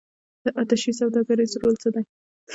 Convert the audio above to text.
د اتشې سوداګریز رول څه دی؟